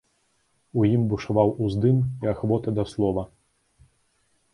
У ім бушаваў уздым і ахвота да слова.